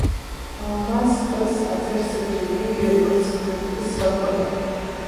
მას ხელს აწერს ჯეკი, როგორც პროექტის ხელმძღვანელი.